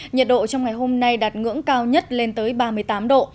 nhiệt độ trong ngày hôm nay đạt ngưỡng cao nhất lên tới ba mươi tám độ